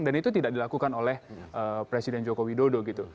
dan itu tidak dilakukan oleh presiden joko widodo gitu